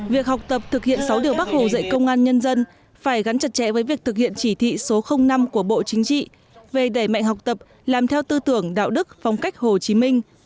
việc học tập thực hiện sáu điều bác hồ dạy công an nhân dân phải gắn chặt chẽ với việc thực hiện chỉ thị số năm của bộ chính trị về đẩy mạnh học tập làm theo tư tưởng đạo đức phong cách hồ chí minh